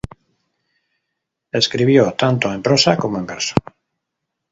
Escribió tanto en prosa como en verso.